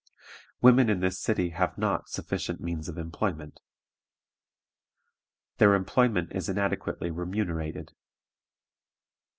Women in this city have not sufficient means of employment. Their employment is inadequately remunerated.